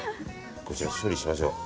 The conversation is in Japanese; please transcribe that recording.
こちら、処理しましょう。